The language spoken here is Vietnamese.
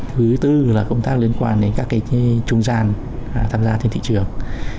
thứ tư là công tác liên quan đến các cái trung gian tham gia trên thị trường